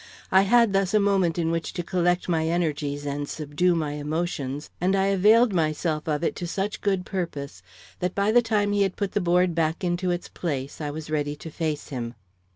I had thus a moment in which to collect my energies and subdue my emotions; and I availed myself of it to such good purpose that by the time he had put the board back into its place I was ready to face him.